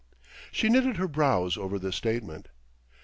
She knitted her brows over this statement.